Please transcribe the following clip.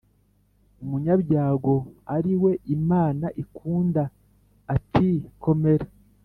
umunyabyago ari we Imana ikunda ati: "Komera!"